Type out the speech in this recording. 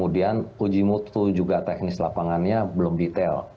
dan uji mutu juga teknis lapangannya belum detail